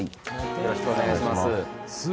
よろしくお願いします